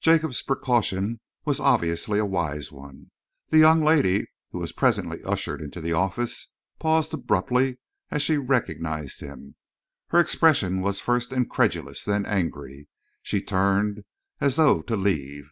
Jacob's precaution was obviously a wise one. The young lady who was presently ushered into the office paused abruptly as she recognised him. Her expression was first incredulous, then angry. She turned as though to leave.